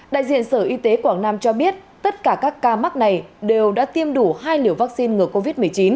đại diện sở y tế quảng nam cho biết tất cả các ca mắc này đều đã tiêm đủ hai liều vaccine ngừa covid một mươi chín